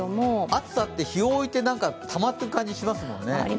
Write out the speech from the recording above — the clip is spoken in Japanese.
暑さって日を置いてたまってく感じしますもんね。